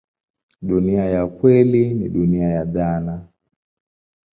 Dunia ya kweli ni dunia ya dhana.